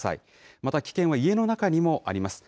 また危険は家の中にもあります。